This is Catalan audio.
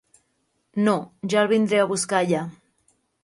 No, ja el vindré a buscar allà.